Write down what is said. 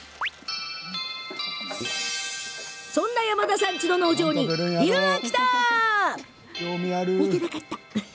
そんな山田さんちの農場に昼がきた！